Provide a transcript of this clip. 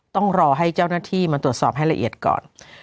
ต้องรอให้เจ้าหน้าที่มาตรวจสอบให้ละเอียดก่อน